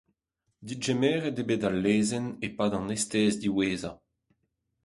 Degemeret eo bet al lezenn e-pad an estez diwezhañ.